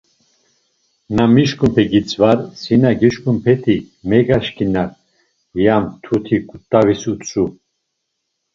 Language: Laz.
Na mişǩunpe gitzvar, si na gişǩunpeti megaşǩinar, ya mtuti ǩut̆avis utzu.